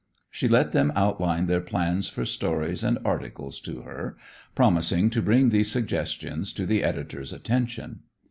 She let them outline their plans for stories and articles to her, promising to bring these suggestions to the editor's attention.